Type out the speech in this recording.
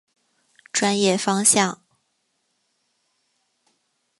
专业方向。